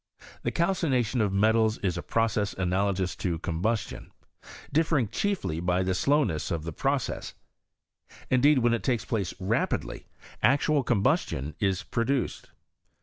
The calcination of metals is a process analogous to combustion, difiering chiefly by the slowness of the process : indeed when it takes place rapidly, actuali combustion is produced.